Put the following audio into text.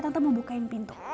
tante mau bukain pintu